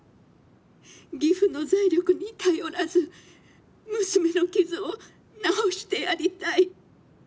義父の財力に頼らず娘の傷を治してやりたい。